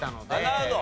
なるほど！